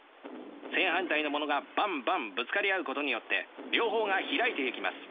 正反対のものがバンバンぶつかり合うことによって両方が開いていきます。